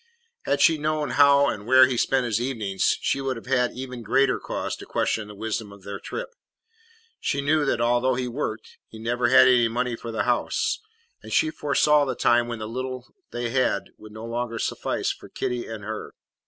Had she known how and where he spent his evenings, she would have had even greater cause to question the wisdom of their trip. She knew that although he worked he never had any money for the house, and she foresaw the time when the little they had would no longer suffice for Kitty and her.